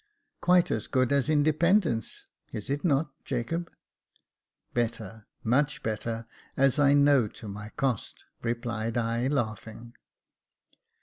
" Quite as good as independence ; is it not, Jacob .''"" Better, much better, as I know to my cost," replied I, laughing.